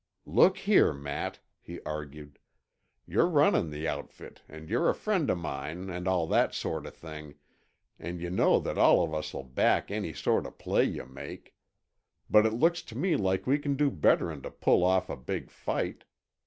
"Look here, Matt," he argued, "you're runnin' the outfit and you're a friend of mine and all that sort of thing, and yuh know that all of us'll back any sort of play yuh make. But it looks to me like we can do better'n to pull off a big fight.